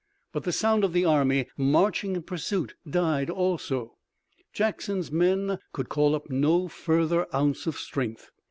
But the sound of the army marching in pursuit died, also. Jackson's men could call up no further ounce of strength.